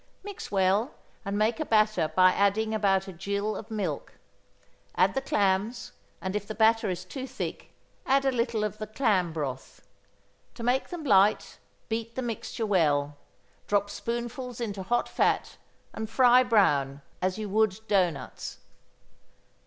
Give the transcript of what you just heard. Mix well, and make a batter by adding about a gill of milk. Add the clams, and if the batter is too thick add a little of the clam broth. To make them light, beat the mixture well; drop spoonfuls in hot fat, and fry brown, as you would doughnuts.